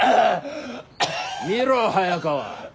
見ろ早川。